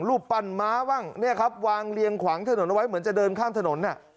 รูปปั้นม้าบ้างเนี่ยครับวางเรียงขวางถนนเอาไว้เหมือนจะเดินข้ามถนน